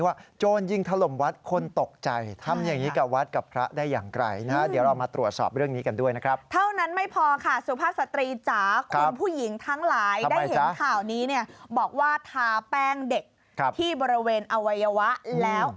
อาจจะเสี่ยงคุณต่อการเกิดมะเร็งรังไข่คุณจุดซ่อนเร็งแบบเงี้ยเหรอ